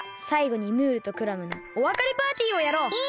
さいごにムールとクラムのおわかれパーティーをやろう！